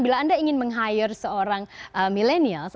bila anda ingin meng hire seorang milenials